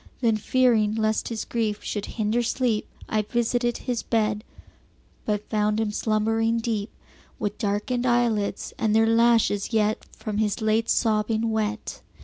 Then, fearing lest his grief should hinder sleep, I visited his bed, But found him slumbering deep, With darken'd eyelids, and their lashes yet 10 From his late sobbing wet.